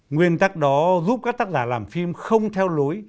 nguyên tắc đó giúp các tác giả làm phim không theo lối